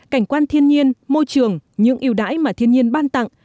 cảnh quan thiên nhiên môi trường những yêu đáy mà thiên nhiên ban tặng